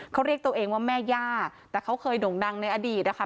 เขาเรียกตัวเองว่าแม่ย่าแต่เขาเคยด่งดังในอดีตนะคะ